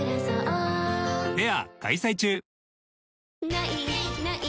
「ない！ない！